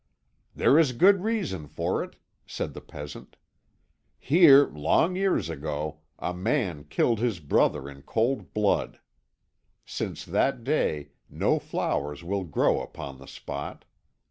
"There is good reason for it," said the peasant; "here, long years ago, a man killed his brother in cold blood. Since that day no flowers will grow upon the spot.